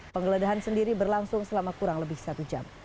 penggeledahan sendiri berlangsung selama kurang lebih satu jam